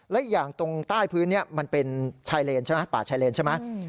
และอีกอย่างตรงใต้พื้นนี้มันเป็นชายเลนใช่ไหมป่าชายเลนใช่ไหม